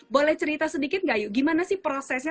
boleh cerita sedikit nggak ayu gimana sih prosesnya